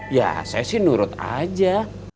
ya saya sih nurut aja